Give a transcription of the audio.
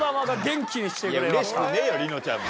いや嬉しくねえよりのちゃんも。